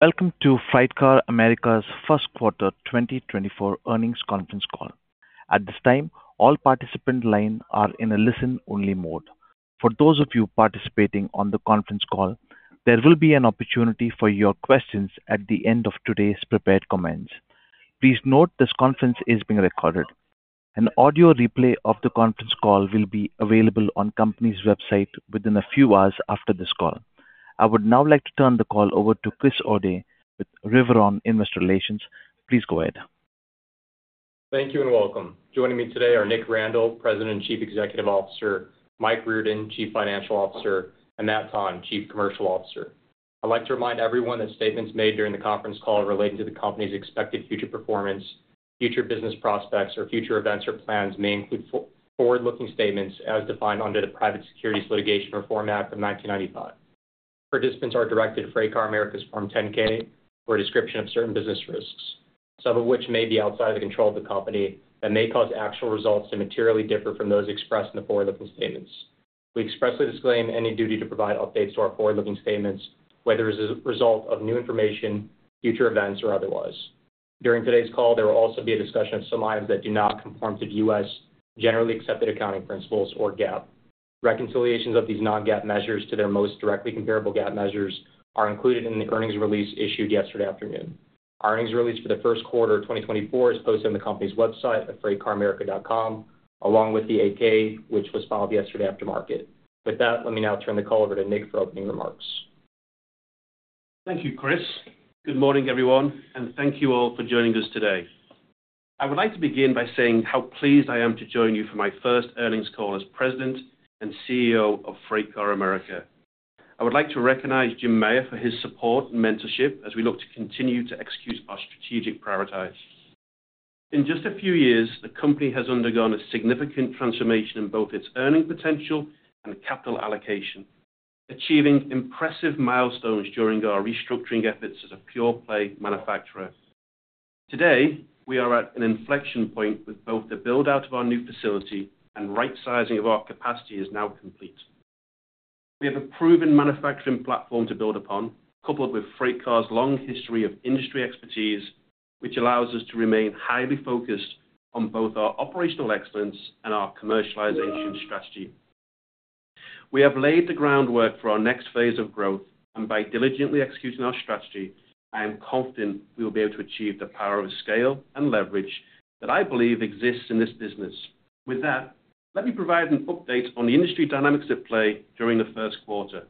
Welcome to FreightCar America's first quarter 2024 earnings conference call. At this time, all participant lines are in a listen-only mode. For those of you participating on the conference call, there will be an opportunity for your questions at the end of today's prepared comments. Please note this conference is being recorded. An audio replay of the conference call will be available on the company's website within a few hours after this call. I would now like to turn the call over to Chris Odeh with Riveron Investor Relations. Please go ahead. Thank you and welcome. Joining me today are Nick Randall, President and Chief Executive Officer, Mike Riordan, Chief Financial Officer, and Matt Tonn, Chief Commercial Officer. I'd like to remind everyone that statements made during the conference call relating to the company's expected future performance, future business prospects, or future events or plans may include forward-looking statements as defined under the Private Securities Litigation Reform Act of 1995. Participants are directed to FreightCar America's Form 10-K for a description of certain business risks, some of which may be outside of the control of the company that may cause actual results to materially differ from those expressed in the forward-looking statements. We expressly disclaim any duty to provide updates to our forward-looking statements, whether as a result of new information, future events, or otherwise. During today's call, there will also be a discussion of some items that do not conform to the U.S. generally accepted accounting principles, or GAAP. Reconciliations of these non-GAAP measures to their most directly comparable GAAP measures are included in the earnings release issued yesterday afternoon. Our earnings release for the first quarter of 2024 is posted on the company's website, freightcaramerica.com, along with the 8-K, which was filed yesterday after market. With that, let me now turn the call over to Nick for opening remarks. Thank you, Chris. Good morning, everyone, and thank you all for joining us today. I would like to begin by saying how pleased I am to join you for my first earnings call as President and CEO of FreightCar America. I would like to recognize Jim Meyer for his support and mentorship as we look to continue to execute our strategic priorities. In just a few years, the company has undergone a significant transformation in both its earning potential and capital allocation, achieving impressive milestones during our restructuring efforts as a pure-play manufacturer. Today, we are at an inflection point with both the build-out of our new facility and right-sizing of our capacity as now complete. We have a proven manufacturing platform to build upon, coupled with FreightCar's long history of industry expertise, which allows us to remain highly focused on both our operational excellence and our commercialization strategy. We have laid the groundwork for our next phase of growth, and by diligently executing our strategy, I am confident we will be able to achieve the power of scale and leverage that I believe exists in this business. With that, let me provide an update on the industry dynamics at play during the first quarter.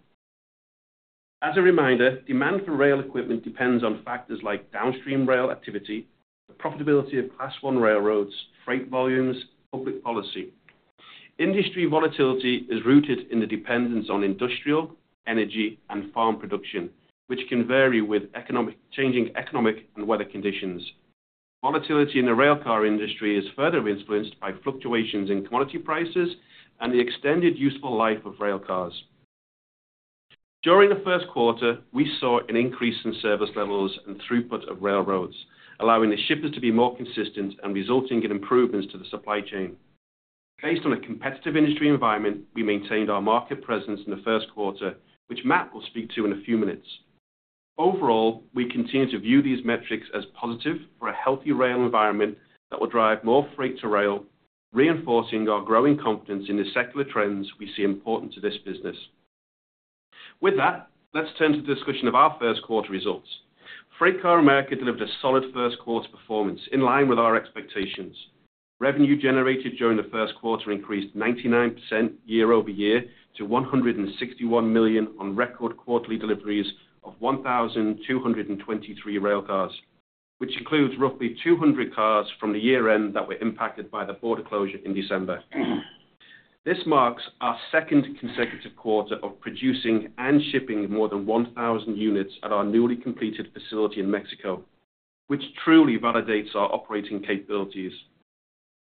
As a reminder, demand for rail equipment depends on factors like downstream rail activity, the profitability of Class I railroads, freight volumes, and public policy. Industry volatility is rooted in the dependence on industrial, energy, and farm production, which can vary with changing economic and weather conditions. Volatility in the railcar industry is further influenced by fluctuations in commodity prices and the extended useful life of railcars. During the first quarter, we saw an increase in service levels and throughput of railroads, allowing the shippers to be more consistent and resulting in improvements to the supply chain. Based on a competitive industry environment, we maintained our market presence in the first quarter, which Matt will speak to in a few minutes. Overall, we continue to view these metrics as positive for a healthy rail environment that will drive more freight to rail, reinforcing our growing confidence in the secular trends we see important to this business. With that, let's turn to the discussion of our first quarter results. FreightCar America delivered a solid first quarter performance in line with our expectations. Revenue generated during the first quarter increased 99% year-over-year to $161 million on record quarterly deliveries of 1,223 railcars, which includes roughly 200 cars from the year-end that were impacted by the border closure in December. This marks our second consecutive quarter of producing and shipping more than 1,000 units at our newly completed facility in Mexico, which truly validates our operating capabilities.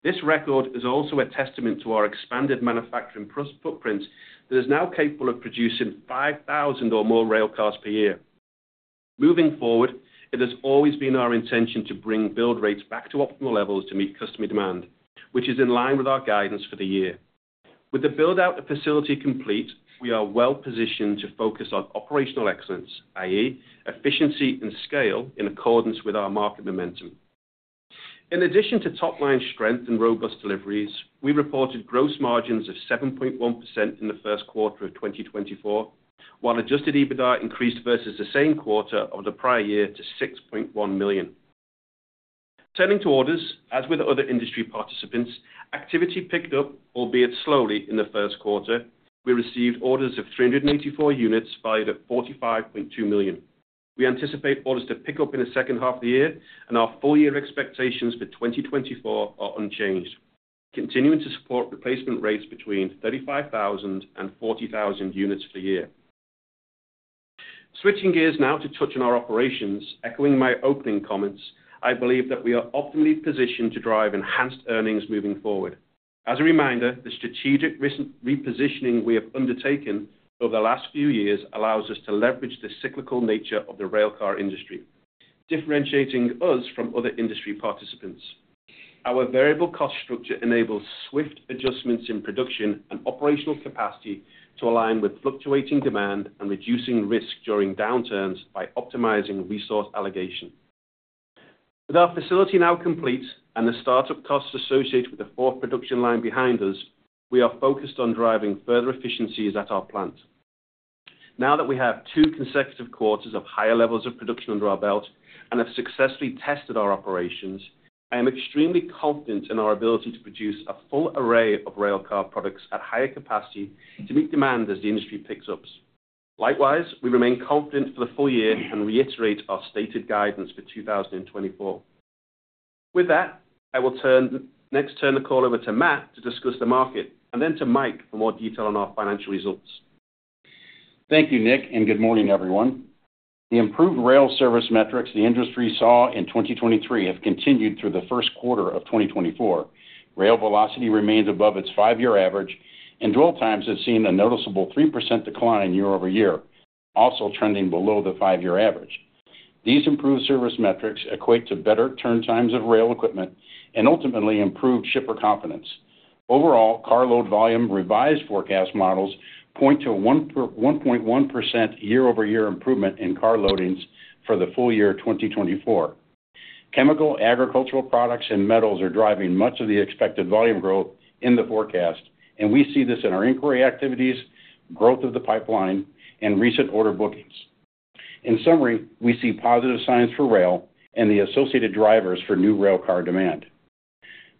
This record is also a testament to our expanded manufacturing footprint that is now capable of producing 5,000 or more railcars per year. Moving forward, it has always been our intention to bring build rates back to optimal levels to meet customer demand, which is in line with our guidance for the year. With the build-out of facility complete, we are well positioned to focus on operational excellence, i.e., efficiency and scale in accordance with our market momentum. In addition to top-line strength and robust deliveries, we reported gross margins of 7.1% in the first quarter of 2024, while Adjusted EBITDA increased versus the same quarter of the prior year to $6.1 million. Turning to orders, as with other industry participants, activity picked up, albeit slowly, in the first quarter. We received orders of 384 units valued at $45.2 million. We anticipate orders to pick up in the second half of the year, and our full-year expectations for 2024 are unchanged, continuing to support replacement rates between 35,000 and 40,000 units per year. Switching gears now to touch on our operations, echoing my opening comments, I believe that we are optimally positioned to drive enhanced earnings moving forward. As a reminder, the strategic repositioning we have undertaken over the last few years allows us to leverage the cyclical nature of the railcar industry, differentiating us from other industry participants. Our variable cost structure enables swift adjustments in production and operational capacity to align with fluctuating demand and reducing risk during downturns by optimizing resource allocation. With our facility now complete and the startup costs associated with the fourth production line behind us, we are focused on driving further efficiencies at our plant. Now that we have two consecutive quarters of higher levels of production under our belt and have successfully tested our operations, I am extremely confident in our ability to produce a full array of railcar products at higher capacity to meet demand as the industry picks up. Likewise, we remain confident for the full year and reiterate our stated guidance for 2024. With that, I will next turn the call over to Matt to discuss the market and then to Mike for more detail on our financial results. Thank you, Nick, and good morning, everyone. The improved rail service metrics the industry saw in 2023 have continued through the first quarter of 2024. Rail velocity remains above its five-year average, and dwell times have seen a noticeable 3% decline year-over-year, also trending below the five-year average. These improved service metrics equate to better turn times of rail equipment and ultimately improved shipper confidence. Overall, carload volume revised forecast models point to a 1.1% year-over-year improvement in carloadings for the full year 2024. Chemical, agricultural products, and metals are driving much of the expected volume growth in the forecast, and we see this in our inquiry activities, growth of the pipeline, and recent order bookings. In summary, we see positive signs for rail and the associated drivers for new railcar demand.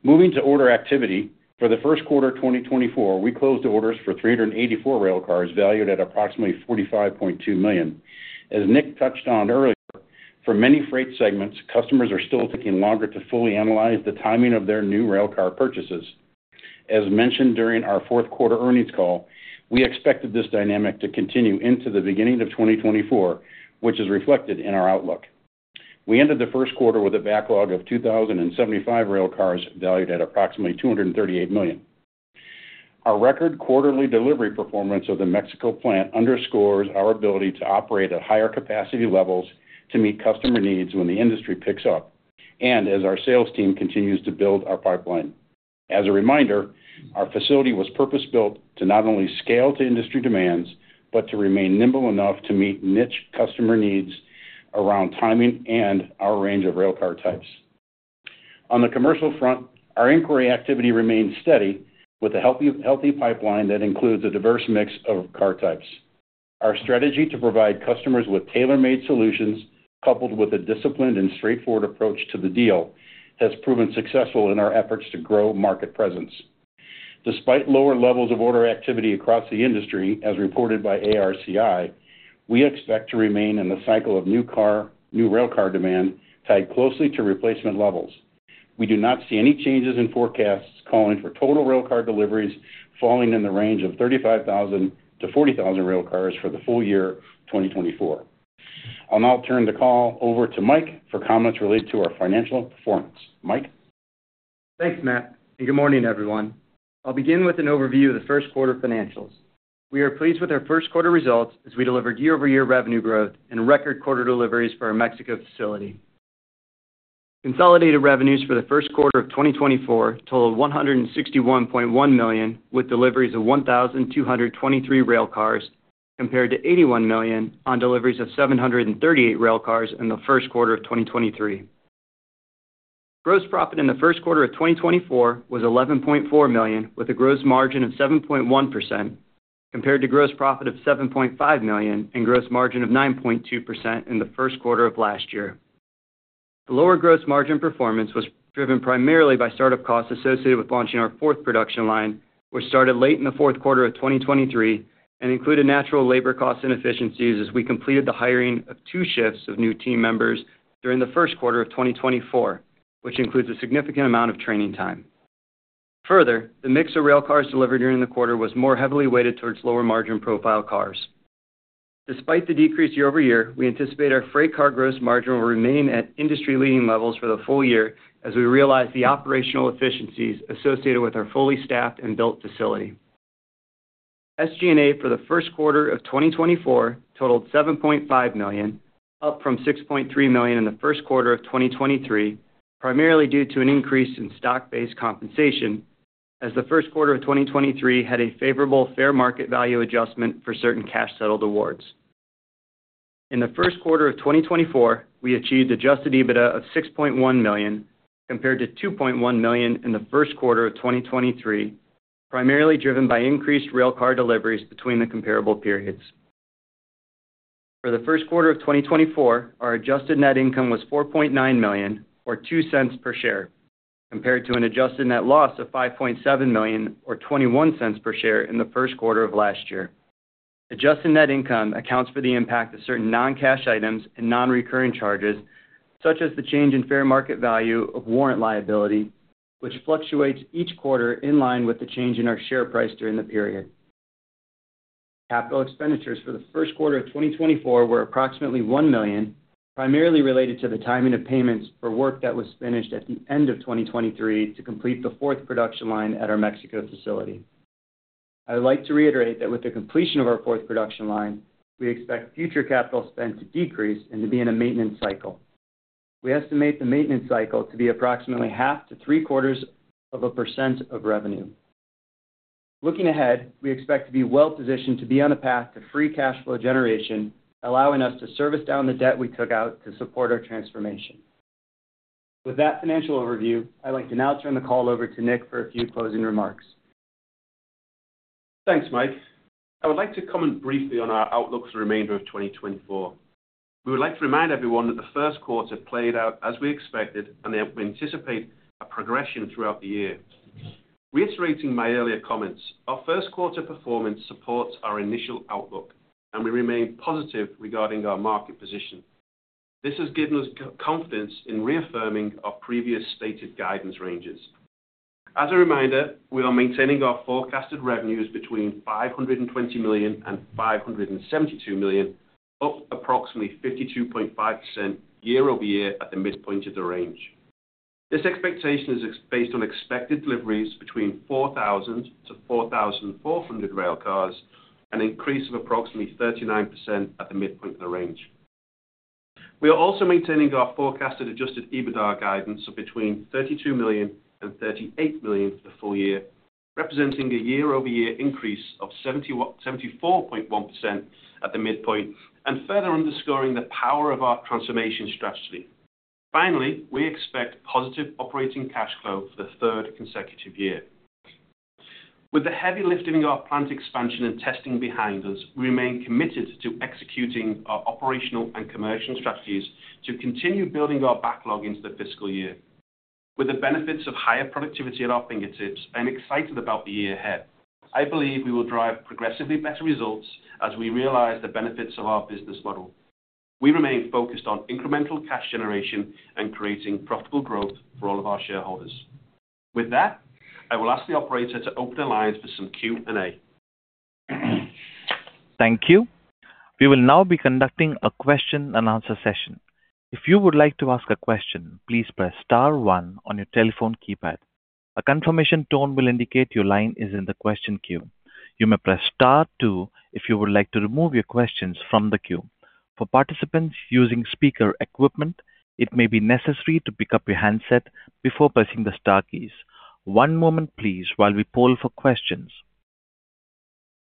Moving to order activity, for the first quarter of 2024, we closed orders for 384 railcars valued at approximately $45.2 million. As Nick touched on earlier, for many freight segments, customers are still taking longer to fully analyze the timing of their new railcar purchases. As mentioned during our fourth quarter earnings call, we expected this dynamic to continue into the beginning of 2024, which is reflected in our outlook. We ended the first quarter with a backlog of 2,075 railcars valued at approximately $238 million. Our record quarterly delivery performance of the Mexico plant underscores our ability to operate at higher capacity levels to meet customer needs when the industry picks up and as our sales team continues to build our pipeline. As a reminder, our facility was purpose-built to not only scale to industry demands but to remain nimble enough to meet niche customer needs around timing and our range of railcar types. On the commercial front, our inquiry activity remains steady with a healthy pipeline that includes a diverse mix of car types. Our strategy to provide customers with tailor-made solutions coupled with a disciplined and straightforward approach to the deal has proven successful in our efforts to grow market presence. Despite lower levels of order activity across the industry, as reported by ARCI, we expect to remain in the cycle of new railcar demand tied closely to replacement levels. We do not see any changes in forecasts calling for total railcar deliveries falling in the range of 35,000-40,000 railcars for the full year 2024. I'll now turn the call over to Mike for comments related to our financial performance. Mike? Thanks, Matt, and good morning, everyone. I'll begin with an overview of the first quarter financials. We are pleased with our first quarter results as we delivered year-over-year revenue growth and record quarter deliveries for our Mexico facility. Consolidated revenues for the first quarter of 2024 totaled $161.1 million with deliveries of 1,223 railcars compared to $81 million on deliveries of 738 railcars in the first quarter of 2023. Gross profit in the first quarter of 2024 was $11.4 million with a gross margin of 7.1% compared to gross profit of $7.5 million and gross margin of 9.2% in the first quarter of last year. The lower gross margin performance was driven primarily by startup costs associated with launching our fourth production line, which started late in the fourth quarter of 2023 and included natural labor cost inefficiencies as we completed the hiring of two shifts of new team members during the first quarter of 2024, which includes a significant amount of training time. Further, the mix of railcars delivered during the quarter was more heavily weighted towards lower margin profile cars. Despite the decrease year-over-year, we anticipate our freight car gross margin will remain at industry-leading levels for the full year as we realize the operational efficiencies associated with our fully staffed and built facility. SG&A for the first quarter of 2024 totaled $7.5 million, up from $6.3 million in the first quarter of 2023, primarily due to an increase in stock-based compensation as the first quarter of 2023 had a favorable fair market value adjustment for certain cash-settled awards. In the first quarter of 2024, we achieved adjusted EBITDA of $6.1 million compared to $2.1 million in the first quarter of 2023, primarily driven by increased railcar deliveries between the comparable periods. For the first quarter of 2024, our adjusted net income was $4.9 million or $0.02 per share compared to an adjusted net loss of $5.7 million or $0.21 per share in the first quarter of last year. Adjusted Net Income accounts for the impact of certain non-cash items and non-recurring charges such as the change in fair market value of warrant liability, which fluctuates each quarter in line with the change in our share price during the period. Capital expenditures for the first quarter of 2024 were approximately $1 million, primarily related to the timing of payments for work that was finished at the end of 2023 to complete the fourth production line at our Mexico facility. I would like to reiterate that with the completion of our fourth production line, we expect future capital spend to decrease and to be in a maintenance cycle. We estimate the maintenance cycle to be approximately 0.5%-0.75% of revenue. Looking ahead, we expect to be well positioned to be on a path to free cash flow generation, allowing us to service down the debt we took out to support our transformation. With that financial overview, I'd like to now turn the call over to Nick for a few closing remarks. Thanks, Mike. I would like to comment briefly on our outlook for the remainder of 2024. We would like to remind everyone that the first quarter played out as we expected, and we anticipate a progression throughout the year. Reiterating my earlier comments, our first quarter performance supports our initial outlook, and we remain positive regarding our market position. This has given us confidence in reaffirming our previous stated guidance ranges. As a reminder, we are maintaining our forecasted revenues between $520 million and $572 million, up approximately 52.5% year-over-year at the midpoint of the range. This expectation is based on expected deliveries between 4,000-4,400 railcars and an increase of approximately 39% at the midpoint of the range. We are also maintaining our forecasted adjusted EBITDA guidance of between $32 million and $38 million for the full year, representing a year-over-year increase of 74.1% at the midpoint and further underscoring the power of our transformation strategy. Finally, we expect positive operating cash flow for the third consecutive year. With the heavy lifting of our plant expansion and testing behind us, we remain committed to executing our operational and commercial strategies to continue building our backlog into the fiscal year. With the benefits of higher productivity at our fingertips and excited about the year ahead, I believe we will drive progressively better results as we realize the benefits of our business model. We remain focused on incremental cash generation and creating profitable growth for all of our shareholders. With that, I will ask the operator to open the lines for some Q&A. Thank you. We will now be conducting a question-and-answer session. If you would like to ask a question, please press star one on your telephone keypad. A confirmation tone will indicate your line is in the question queue. You may press star two if you would like to remove your questions from the queue. For participants using speaker equipment, it may be necessary to pick up your handset before pressing the star keys. One moment, please, while we poll for questions.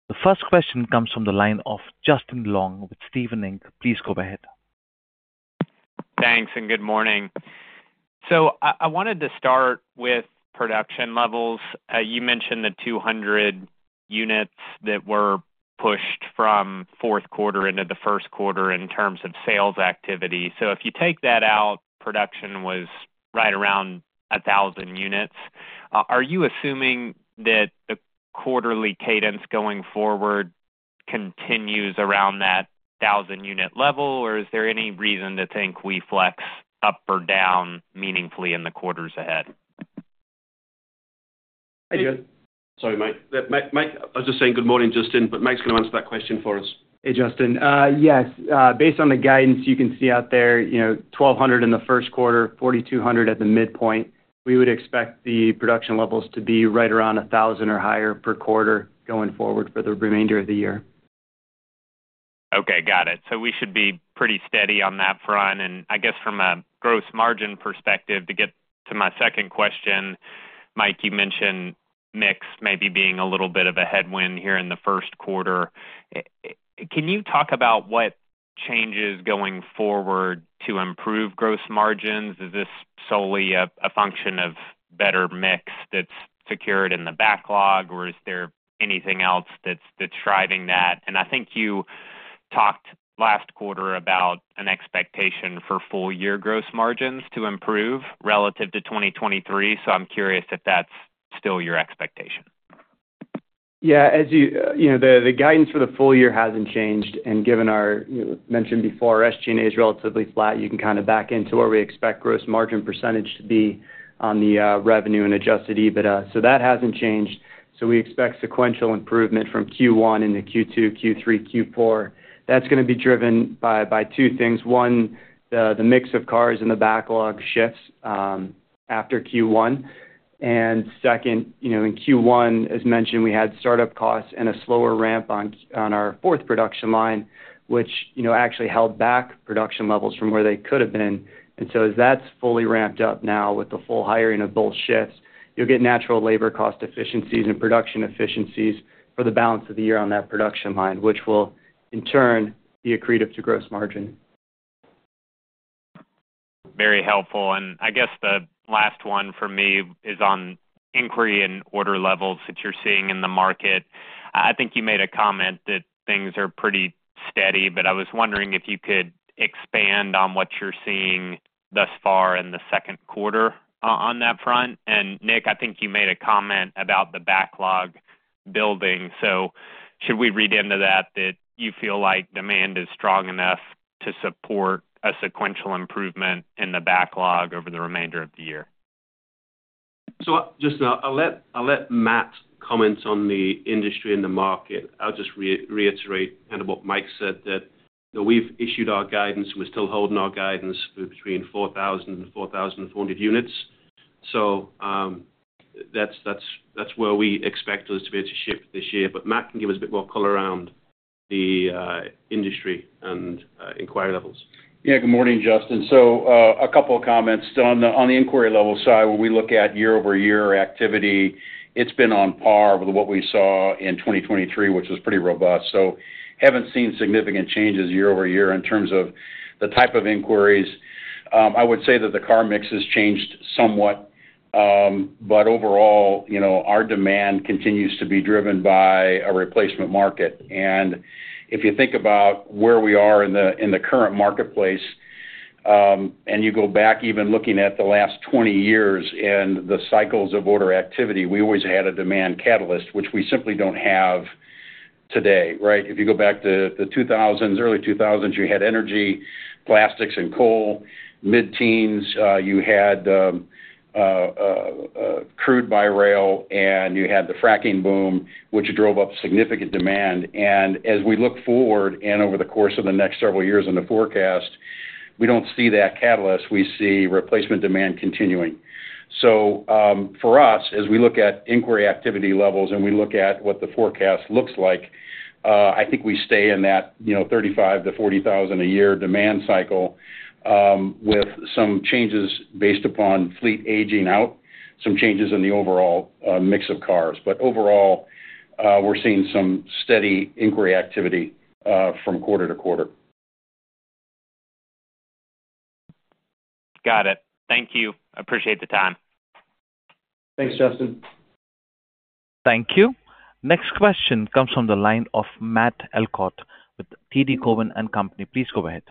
The first question comes from the line of Justin Long with Stephens Inc. Please go ahead. Thanks and good morning. I wanted to start with production levels. You mentioned the 200 units that were pushed from fourth quarter into the first quarter in terms of sales activity. So if you take that out, production was right around 1,000 units. Are you assuming that the quarterly cadence going forward continues around that 1,000-unit level, or is there any reason to think we flex up or down meaningfully in the quarters ahead? Hey, Justin. Sorry, Mike. Mike, I was just saying good morning, Justin, but Mike's going to answer that question for us. Hey, Justin. Yes. Based on the guidance you can see out there, 1,200 in the first quarter, 4,200 at the midpoint, we would expect the production levels to be right around 1,000 or higher per quarter going forward for the remainder of the year. Okay, got it. So we should be pretty steady on that front. And I guess from a gross margin perspective, to get to my second question, Mike, you mentioned mix maybe being a little bit of a headwind here in the first quarter. Can you talk about what changes going forward to improve gross margins? Is this solely a function of better mix that's secured in the backlog, or is there anything else that's driving that? And I think you talked last quarter about an expectation for full-year gross margins to improve relative to 2023, so I'm curious if that's still your expectation. Yeah, as you know, the guidance for the full year hasn't changed. And as mentioned before, our SG&A is relatively flat. You can kind of back into where we expect gross margin percentage to be on the revenue and adjusted EBITDA. So that hasn't changed. So we expect sequential improvement from Q1 into Q2, Q3, Q4. That's going to be driven by two things. One, the mix of cars in the backlog shifts after Q1. And second, in Q1, as mentioned, we had startup costs and a slower ramp on our fourth production line, which actually held back production levels from where they could have been. And so as that's fully ramped up now with the full hiring of both shifts, you'll get natural labor cost efficiencies and production efficiencies for the balance of the year on that production line, which will in turn be accretive to gross margin. Very helpful. And I guess the last one for me is on inquiry and order levels that you're seeing in the market. I think you made a comment that things are pretty steady, but I was wondering if you could expand on what you're seeing thus far in the second quarter on that front. And Nick, I think you made a comment about the backlog building. So should we read into that that you feel like demand is strong enough to support a sequential improvement in the backlog over the remainder of the year? Just I'll let Matt comment on the industry and the market. I'll just reiterate kind of what Mike said, that we've issued our guidance, and we're still holding our guidance for between 4,000 and 4,400 units. That's where we expect us to be able to ship this year. But Matt can give us a bit more color around the industry and inquiry levels. Yeah, good morning, Justin. So a couple of comments. On the inquiry level side, when we look at year-over-year activity, it's been on par with what we saw in 2023, which was pretty robust. So haven't seen significant changes year-over-year in terms of the type of inquiries. I would say that the car mix has changed somewhat, but overall, our demand continues to be driven by a replacement market. And if you think about where we are in the current marketplace and you go back even looking at the last 20 years and the cycles of order activity, we always had a demand catalyst, which we simply don't have today, right? If you go back to the early 2000s, you had energy, plastics, and coal. Mid-teens, you had crude by rail, and you had the fracking boom, which drove up significant demand. As we look forward and over the course of the next several years in the forecast, we don't see that catalyst. We see replacement demand continuing. So for us, as we look at inquiry activity levels and we look at what the forecast looks like, I think we stay in that 35,000-40,000 a year demand cycle with some changes based upon fleet aging out, some changes in the overall mix of cars. But overall, we're seeing some steady inquiry activity from quarter to quarter. Got it. Thank you. I appreciate the time. Thanks, Justin. Thank you. Next question comes from the line of Matt Elkott with TD Cowen & Company. Please go ahead.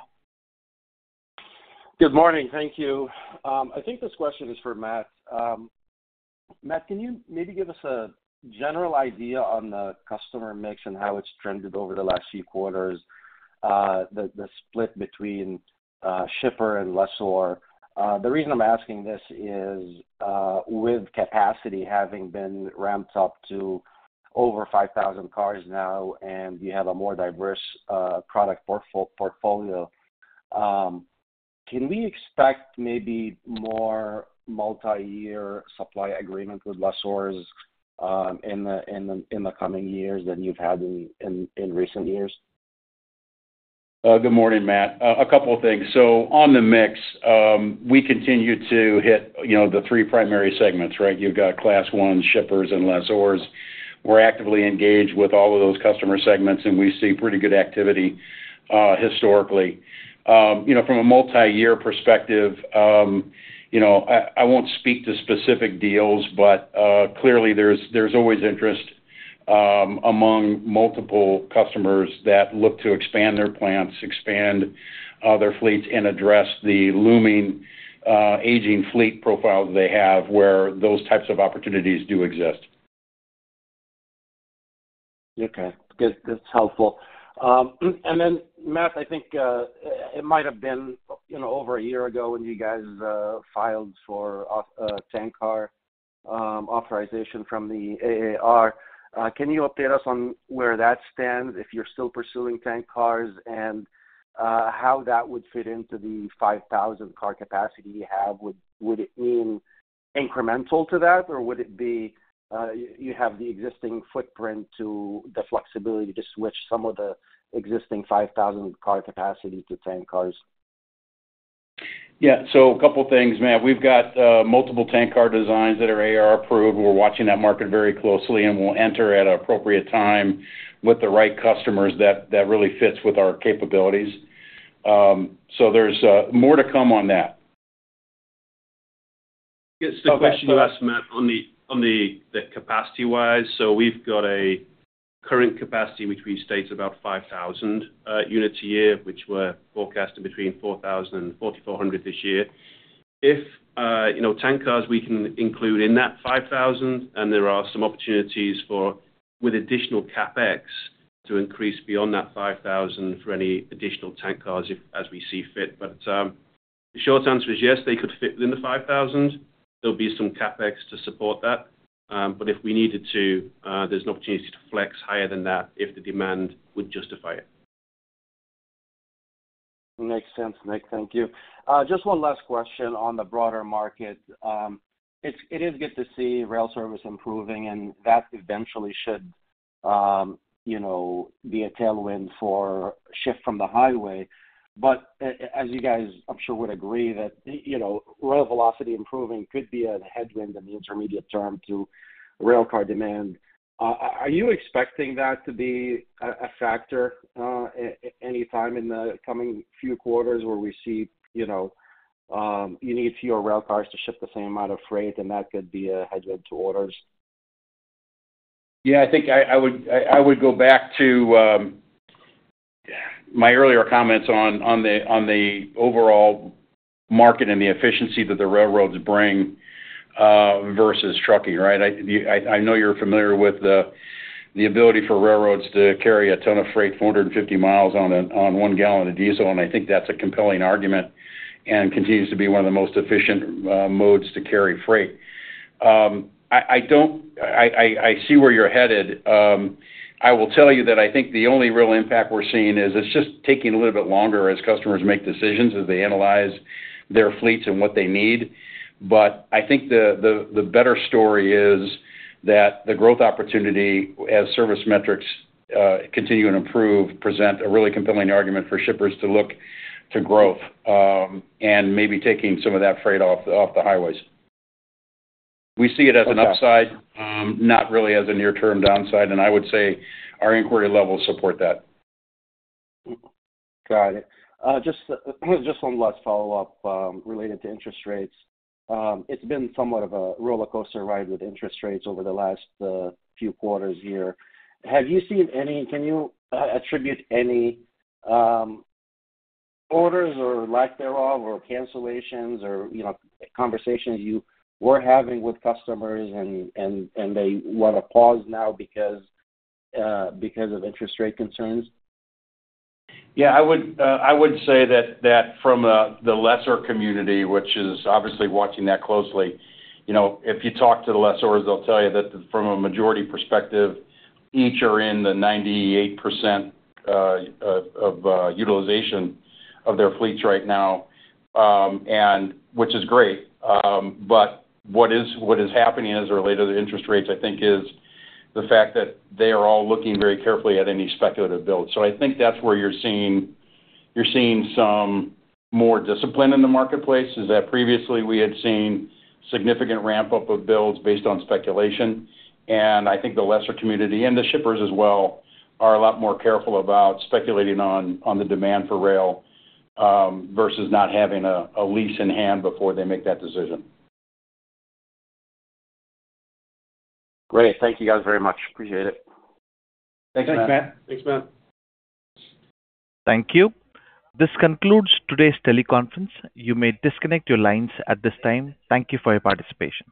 Good morning. Thank you. I think this question is for Matt. Matt, can you maybe give us a general idea on the customer mix and how it's trended over the last few quarters, the split between shipper and lessor? The reason I'm asking this is with capacity having been ramped up to over 5,000 cars now and you have a more diverse product portfolio, can we expect maybe more multi-year supply agreement with lessors in the coming years than you've had in recent years? Good morning, Matt. A couple of things. So on the mix, we continue to hit the three primary segments, right? You've got Class I, shippers, and lessors. We're actively engaged with all of those customer segments, and we see pretty good activity historically. From a multi-year perspective, I won't speak to specific deals, but clearly, there's always interest among multiple customers that look to expand their plants, expand their fleets, and address the looming aging fleet profile that they have where those types of opportunities do exist. Okay. That's helpful. Then, Matt, I think it might have been over a year ago when you guys filed for tank car authorization from the AAR. Can you update us on where that stands, if you're still pursuing tank cars, and how that would fit into the 5,000-car capacity you have? Would it mean incremental to that, or would it be you have the existing footprint to the flexibility to switch some of the existing 5,000-car capacity to tank cars? Yeah. So a couple of things, Matt. We've got multiple tank car designs that are AAR approved. We're watching that market very closely, and we'll enter at an appropriate time with the right customers that really fits with our capabilities. So there's more to come on that. Yes. The question you asked, Matt, on the capacity-wise, so we've got a current capacity, which we state, is about 5,000 units a year, which we're forecasting between 4,000 and 4,400 this year. If tank cars, we can include in that 5,000, and there are some opportunities with additional CapEx to increase beyond that 5,000 for any additional tank cars as we see fit. But the short answer is yes, they could fit within the 5,000. There'll be some CapEx to support that. But if we needed to, there's an opportunity to flex higher than that if the demand would justify it. Makes sense, Nick. Thank you. Just one last question on the broader market. It is good to see rail service improving, and that eventually should be a tailwind for a shift from the highway. But as you guys, I'm sure, would agree that rail velocity improving could be a headwind in the intermediate term to railcar demand. Are you expecting that to be a factor anytime in the coming few quarters where we see you need fewer railcars to ship the same amount of freight, and that could be a headwind to orders? Yeah, I think I would go back to my earlier comments on the overall market and the efficiency that the railroads bring versus trucking, right? I know you're familiar with the ability for railroads to carry a ton of freight, 450 miles, on one gallon of diesel, and I think that's a compelling argument and continues to be one of the most efficient modes to carry freight. I see where you're headed. I will tell you that I think the only real impact we're seeing is it's just taking a little bit longer as customers make decisions, as they analyze their fleets and what they need. But I think the better story is that the growth opportunity, as service metrics continue and improve, presents a really compelling argument for shippers to look to growth and maybe taking some of that freight off the highways. We see it as an upside, not really as a near-term downside, and I would say our inquiry levels support that. Got it. Just one last follow-up related to interest rates. It's been somewhat of a rollercoaster ride with interest rates over the last few quarters here. Have you seen any? Can you attribute any orders or lack thereof or cancellations or conversations you were having with customers, and they want to pause now because of interest rate concerns? Yeah, I would say that from the lessor community, which is obviously watching that closely, if you talk to the lessors, they'll tell you that from a majority perspective, each are in the 98% of utilization of their fleets right now, which is great. But what is happening as it relates to the interest rates, I think, is the fact that they are all looking very carefully at any speculative builds. So I think that's where you're seeing some more discipline in the marketplace, is that previously, we had seen significant ramp-up of builds based on speculation. And I think the lessor community and the shippers as well are a lot more careful about speculating on the demand for rail versus not having a lease in hand before they make that decision. Great. Thank you guys very much. Appreciate it. Thanks, Matt. Thanks, Matt. Thanks, Matt. Thank you. This concludes today's teleconference. You may disconnect your lines at this time. Thank you for your participation.